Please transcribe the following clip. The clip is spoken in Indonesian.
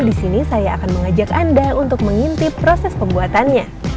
di sini saya akan mengajak anda untuk mengintip proses pembuatannya